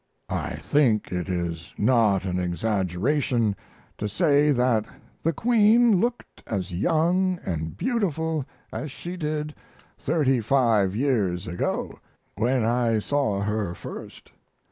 I think it is not an exaggeration to say that the Queen looked as young and beautiful as she did thirty five years ago when I saw her first.